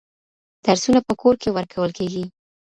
درسونه په کور کي ورکول کېږي.